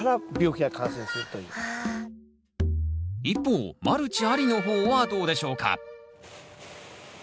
一方マルチありの方はどうでしょうか？